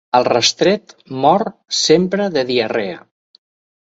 El restret mor sempre de diarrea.